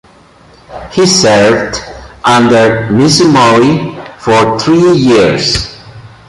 He served under Mizumori for three years.